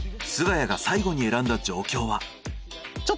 菅谷が最後に選んだ状況は。